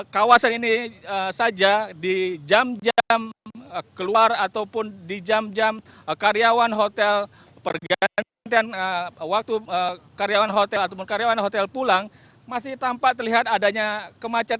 kawasan ini saja di jam jam keluar ataupun di jam jam karyawan hotel pergantian waktu karyawan hotel ataupun karyawan hotel pulang masih tampak terlihat adanya kemacetan